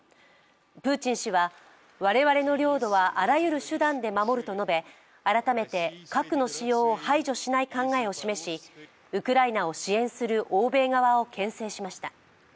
プーチン氏は我々の領土はあらゆる手段で守ると述べ改めて核の使用を排除しない考えを示しウクライナを支援する欧米側をけん制しました。